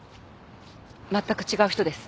全く違う人です。